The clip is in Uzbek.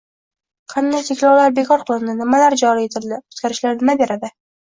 Qanday cheklovlar bekor qilindi, nimalar joriy etildi, o‘zgarishlar nima beradi?